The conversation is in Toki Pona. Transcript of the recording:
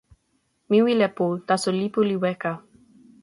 mi wile pu, taso lipu li weka.